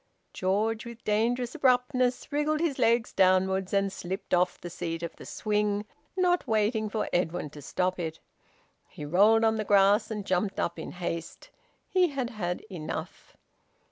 George with dangerous abruptness wriggled his legs downwards and slipped off the seat of the swing, not waiting for Edwin to stop it. He rolled on the grass and jumped up in haste. He had had enough.